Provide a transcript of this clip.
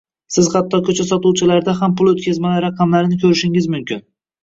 Siz hatto koʻcha sotuvchilarida ham pul oʻtkazmalari raqamlarni koʻrishingiz mumkin.